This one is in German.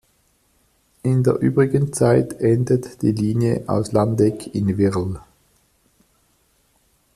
In der übrigen Zeit endet die Linie aus Landeck in Wirl.